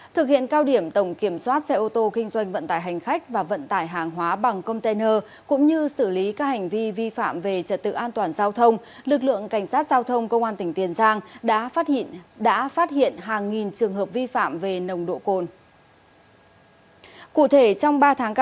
thực hiện cao điểm tổng kiểm soát xe ô tô kinh doanh vận tải hành khách và vận tải hàng hóa bằng container cũng như xử lý các hành vi vi phạm về trật tự an toàn giao thông lực lượng cảnh sát giao thông công an tỉnh tiền giang đã phát hiện hàng nghìn trường hợp vi phạm về nồng độ cồn